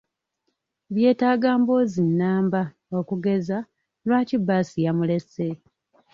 Byetaaga mboozi nnamba, okugeza: Lwaki bbaasi yamulese?